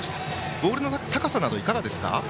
ボールの高さなどはいかがですか？